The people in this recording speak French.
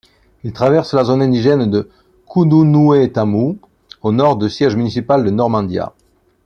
Il traverse la Zone indigène de Kununuetamu, au Nord du siège municipal de Normandia.